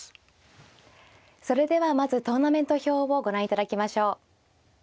それではまずトーナメント表をご覧いただきましょう。